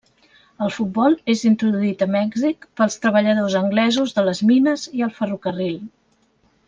El futbol és introduït a Mèxic pels treballadors anglesos de les mines i el ferrocarril.